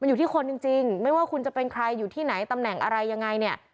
อยู่ที่คนจริงไม่ว่าคุณจะเป็นใครอยู่ที่ไหนตำแหน่งอะไรยังไงเนี่ย